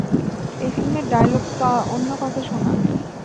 এই ফিল্মের ডায়লগ অন্য কাউকে শোনা।